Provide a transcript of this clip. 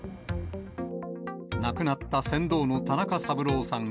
亡くなった船頭の田中三郎さん